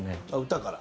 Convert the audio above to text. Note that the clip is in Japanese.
歌から。